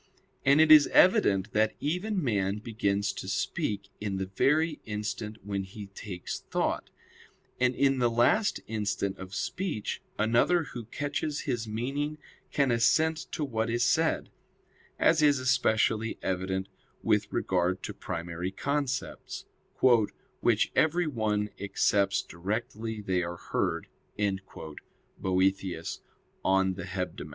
And it is evident that even man begins to speak in the very instant when he takes thought; and in the last instant of speech, another who catches his meaning can assent to what is said; as is especially evident with regard to primary concepts, "which everyone accepts directly they are heard" [*Boethius, De Hebdom.